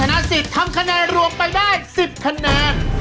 พี่ต้นฐันะสิตทั้งคะแนนรวบไปได้๑๐คะแนน